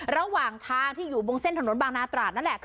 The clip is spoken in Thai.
ระหว่างทางที่อยู่บนเส้นถนนบางนาตราดนั่นแหละ